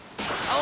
あ！